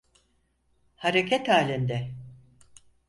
Hareket halinde.